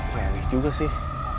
kok aneh juga sih